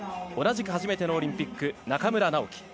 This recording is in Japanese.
同じく初めてのオリンピック中村直幹。